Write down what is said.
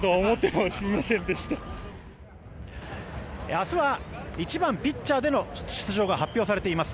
明日は１番ピッチャーでの出場が発表されています。